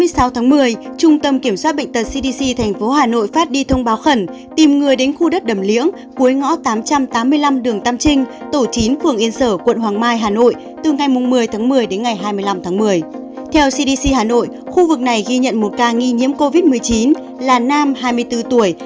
các bạn hãy đăng ký kênh để ủng hộ kênh của chúng mình nhé